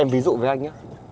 em ví dụ với anh nhá